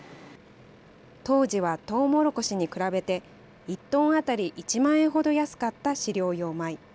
当時はトウモロコシに比べて、１トン当たり１万円ほど安かった飼料用米。